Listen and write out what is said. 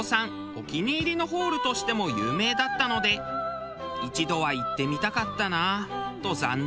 お気に入りのホールとしても有名だったので一度は行ってみたかったなと残念な思いです。